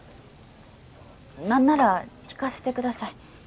何なら聞かせてください